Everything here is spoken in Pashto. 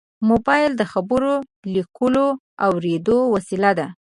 موبایل د خبرو، لیکلو او اورېدو وسیله ده.